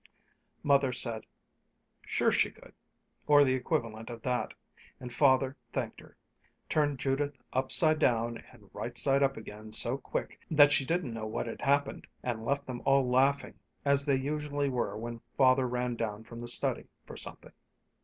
Mother said, "Sure she could," or the equivalent of that, and Father thanked her, turned Judith upside down and right side up again so quick that she didn't know what had happened, and left them all laughing as they usually were when Father ran down from the study for something.